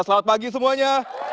selamat pagi semuanya